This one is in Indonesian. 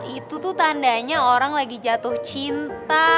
itu tuh tandanya orang lagi jatuh cinta